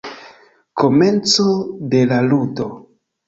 Komenco de la ludo.